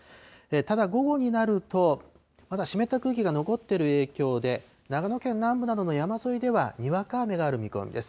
ただ午後になると、まだ湿った空気が残っている影響で、長野県南部などの山沿いでは、にわか雨がある見込みです。